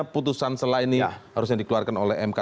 putusan setelah ini harusnya dikeluarkan oleh mk